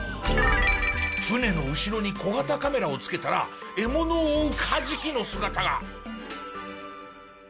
船の後ろに小型カメラを付けたら獲物を追うカジキの姿が。